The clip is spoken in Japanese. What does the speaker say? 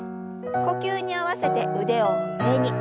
呼吸に合わせて腕を上に。